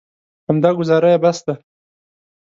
همدا ګوزاره یې بس ده.